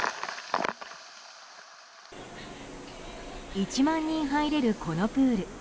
１万人入れる、このプール。